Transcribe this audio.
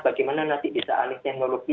bagaimana nanti bisa alih teknologi